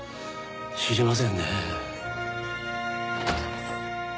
知りませんね。